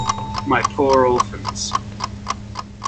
My poor Orphans.